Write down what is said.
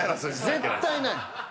絶対ない。